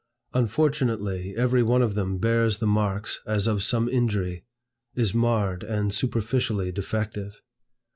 Unfortunately, every one of them bears the marks as of some injury; is marred and superficially defective.